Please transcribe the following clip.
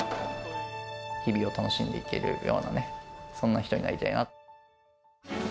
日々を楽しんでいけるような、そんな人になりたいな。